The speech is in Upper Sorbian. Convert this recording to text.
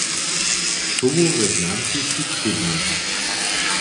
Čołowe znamki su trěbne.